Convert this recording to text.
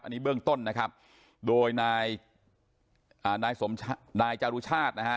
อันนี้เบื้องต้นนะครับโดยนายอ่านายสมนายจารุชาตินะฮะ